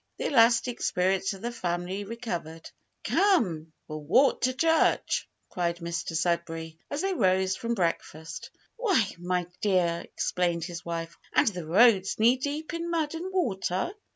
The elastic spirits of the family recovered. "Come, we'll walk to church!" cried Mr Sudberry, as they rose from breakfast. "What, my dear!" exclaimed his wife, "and the roads knee deep in mud and water!"